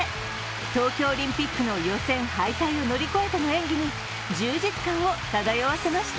東京オリンピックの予選敗退を乗り越えての演技に、充実感を漂わせました。